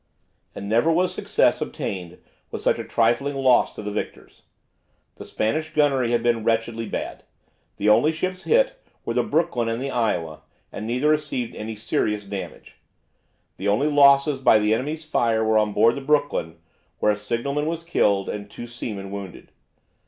And never was success obtained with such a trifling loss to the victors. The Spanish gunnery had been wretchedly bad. The only ships hit were the "Brooklyn" and the "Iowa," and neither received any serious damage. The only losses by the enemy's fire were on board the "Brooklyn," where a signalman was killed and two seamen wounded.